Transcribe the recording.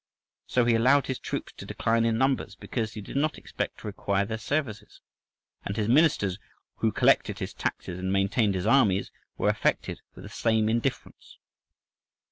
So he allowed his troops to decline in numbers, because he did not expect to require their services. And his ministers, who collected his taxes and maintained his armies were affected with the same indifference."